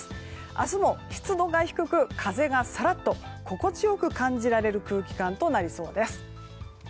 明日も湿度が低く風がさらっと心地よく感じられる空気感となりそうです。